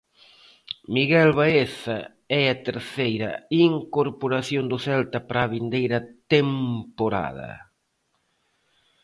Miguel Baeza é a terceira incorporación do Celta para a vindeira temporada.